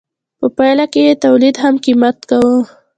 په پایله کې یې تولید هم قیمت کاوه.